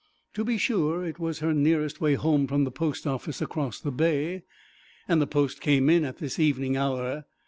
To be sure, it was her nearest way home from the post office across the bay, and the post came in at this evening hour.